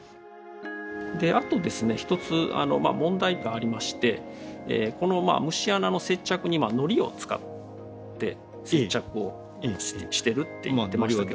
あとですね一つ問題がありましてこの虫穴の接着にのりを使って接着をしてるって。